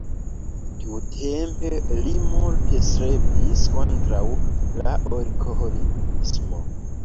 Tiutempe li multe strebis kontraŭ la alkoholismo.